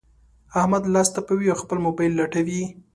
احمد لاس تپوي؛ او خپل مبايل لټوي.